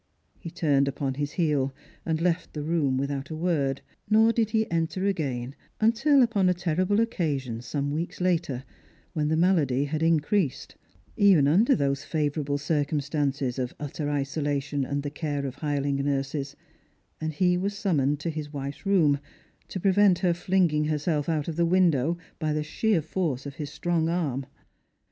He turned upon his heel, and left the room without a word ; nor did he enter again until, upon a terrible occasion, some weeks later, when the malady had in creased—even under those favourable circumstances of utter isolation and the care of hirehng nurses — and he was summoned to his wife's room to prevent her flinging herself out of the window by the sheer force of his strong arm.